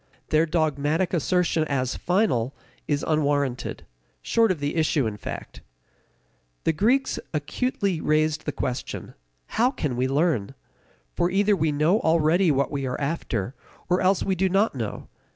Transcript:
Their dogmatic assertion as final is unwarranted, short of the issue, in fact. The Greeks acutely raised the question: How can we learn? For either we know already what we are after, or else we do not know.